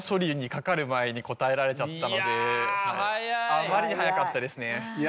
あまりに早かったですね。